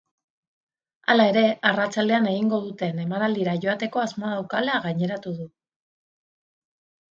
Hala ere, arratsaldean egingo duten emanaldira joateko asmoa daukala gaineratu du.